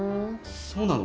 そうなの？